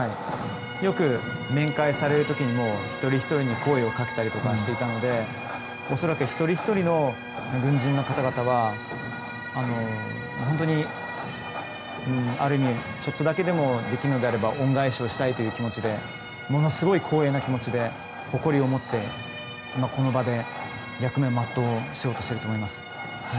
よく面会される時に一人ひとりに声をかけたりしていたので恐らく一人ひとりの軍人の方々は本当にある意味ちょっとだけでもできるのであれば恩返しをしたいということでものすごい光栄な気持ちで誇りを持って、この場で役目を全うしようとしていると思います。